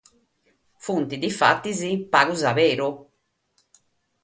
Sunt, difatis, pagas a beru.